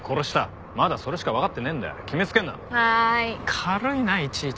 軽いないちいち。